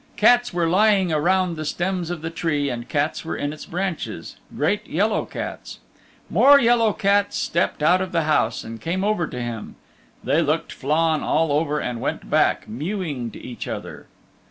Cats were lying around the stems of the tree and cats were in its branches great yellow cats. More yellow cats stepped out of the house and came over to him. They looked Flann all over and went back, mewing to each other.